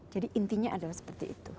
jadi intinya adalah seperti itu